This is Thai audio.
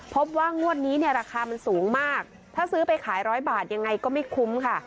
พบว่างวดนี้เนี่ยราคามันสูงมากถ้าซื้อไปขาย๑๐๐บาทยังไงก็ไม่คุ้มค่ะ